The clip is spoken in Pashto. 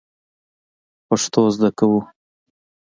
پښتو زده کوو